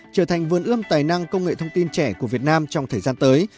trở thành vườn ươm tài năng công nghệ thông tin trẻ của việt nam trong thời gian tới